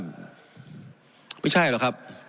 ไม่ใช่หรอกครับ